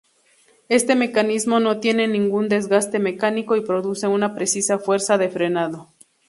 Este mecanismo no tiene ningún desgaste mecánico y produce una precisa fuerza de frenado.